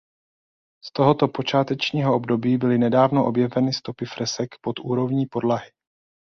Z tohoto počátečního období byly nedávno objeveny stopy fresek pod úrovní podlahy.